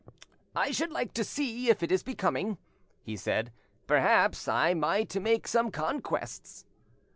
"I should like to see if it is becoming," he said; "perhaps I might make some conquests."